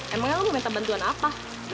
emangnya lu mau minta bantuan apa